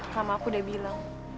rama aku udah bilang